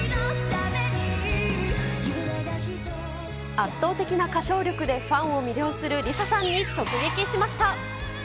圧倒的な歌唱力でファンを魅了するリサさんに直撃しました。